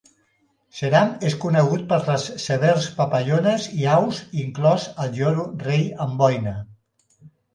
Seram es conegut per les severs papallones i aus, inclòs el lloro rei Amboina.